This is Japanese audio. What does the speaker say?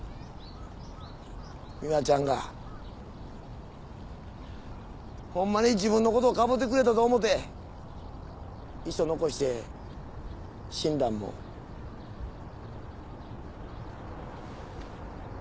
美羽ちゃんがホンマに自分のことかぼうてくれたと思うて遺書残して死んだんもそれも計算づくやなあ。